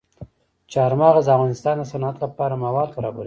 چار مغز د افغانستان د صنعت لپاره مواد برابروي.